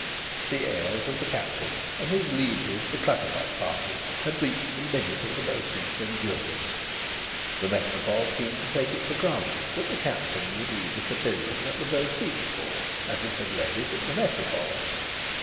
The airs of the Captain and his lieges, the Clutterbuck party, had reached the limit of the Beau Site's endurance. The Métropole seemed to take it for granted that the Captain would lead the cotillon at the Beau Site's ball as he had led it at the Métropole's.